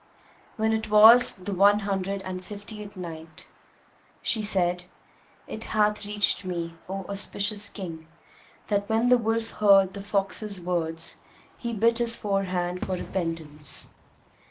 When it was the One Hundred and Fiftieth Night, She said, It hath reached me, O auspicious King, that when the wolf heard the fox's words he bit his forehand for repentance.